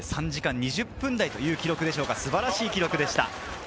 ３時間２０分台という記録でした、素晴らしい記録でした。